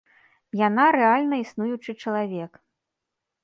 Яна рэальна існуючы чалавек.